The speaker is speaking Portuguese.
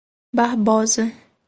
Barbosa